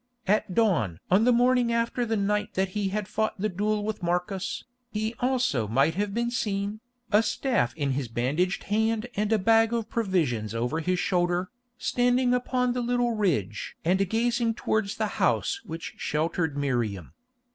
At dawn on the morning after the night that he had fought the duel with Marcus, he also might have been seen, a staff in his bandaged hand and a bag of provisions over his shoulder, standing upon the little ridge and gazing towards the house which sheltered Miriam.